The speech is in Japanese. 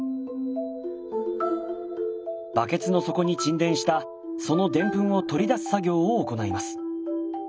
バケツの底に沈殿したそのデンプンを取り出す作業を行います。